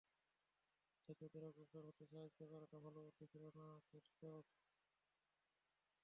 হয়তো ওদের অগ্রসর হতে সাহায্য করাটা ভালো বুদ্ধি ছিল না, ফ্যাসটস।